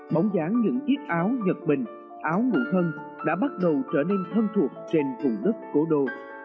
bóng dáng những chiếc áo nhật bình áo ngủ thân đã bắt đầu trở nên thân thuộc trên vùng đất cổ đô